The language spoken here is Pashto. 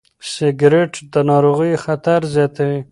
سګرېټ د ناروغیو خطر زیاتوي.